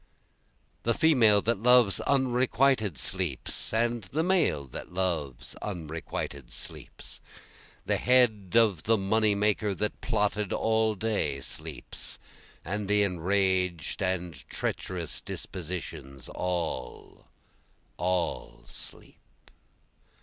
The female that loves unrequited sleeps, And the male that loves unrequited sleeps, The head of the money maker that plotted all day sleeps, And the enraged and treacherous dispositions, all, all sleep.